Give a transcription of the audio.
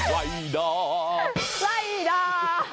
รายเดอร์รายเดอร์